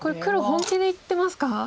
本気でいってますか？